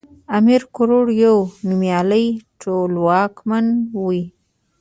امير کروړ يو نوميالی ټولواکمن وی